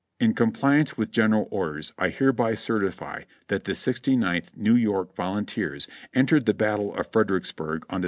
''In compliance with general orders I hereby certify that the Sixty ninth New York Vols, entered the battle of Fredericksburg on Dec.